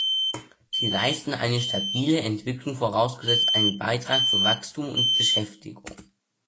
Sie leisten eine stabile Entwicklung vorausgesetzt einen Beitrag zu Wachstum und Beschäftigung.